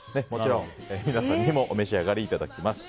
皆さんにもお召し上がりいただきます。